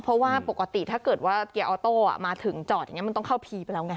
เพราะว่าปกติถ้าเกิดว่าเกียร์ออโต้มาถึงจอดอย่างนี้มันต้องเข้าพีไปแล้วไง